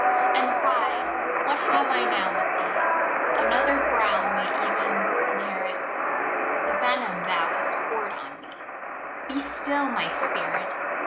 And pride, what have I now with thee? Another brow may ev'n inherit The venom thou hast poured on me Be still my spirit!